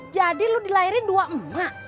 jadi lo dilahirin dua emak